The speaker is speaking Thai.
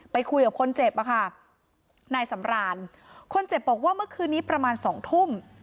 คุยกับคนเจ็บอะค่ะนายสำรานคนเจ็บบอกว่าเมื่อคืนนี้ประมาณสองทุ่ม